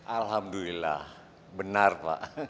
alhamdulillah benar pak